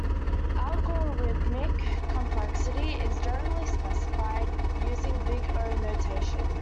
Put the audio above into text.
Algorithmic complexity is generally specified using Big O Notation.